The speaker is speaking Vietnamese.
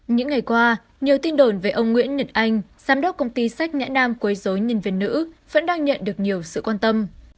những ngày qua nhiều tin đồn về ông nguyễn nhật anh giám đốc công ty sách nhã nam quấy dối nhân viên nữ vẫn đang nhận được nhiều sự quan tâm